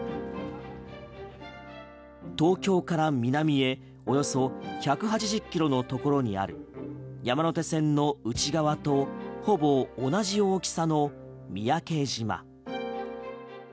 東京から南へおよそ１８０キロのところにある山手線の内側とほぼ同じ大きさの三宅島。